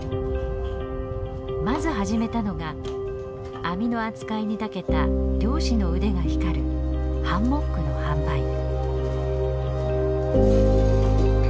まず始めたのが網の扱いにたけた漁師の腕が光るハンモックの販売。